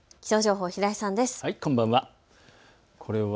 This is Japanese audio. こんばんは。